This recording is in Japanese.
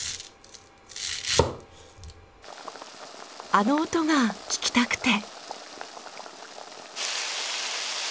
あの音が聞きたくて。